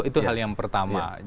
itu hal yang pertama